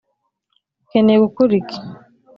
ukeneye gukora iki